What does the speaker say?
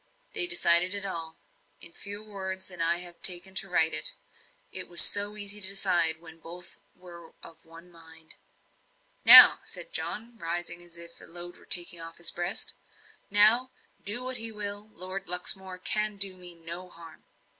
They decided it all in fewer words than I have taken to write it it was so easy to decide when both were of one mind. "Now," said John, rising, as if a load were taken off his breast "now, do what he will Lord Luxmore cannot do me any harm."